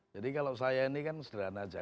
jadi kalau saya ini kan sederhana saja